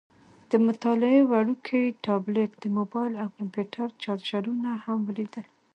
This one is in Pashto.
د مطالعې وړوکی ټابلیټ، د موبایل او کمپیوټر چارجرونه هم ولیدل.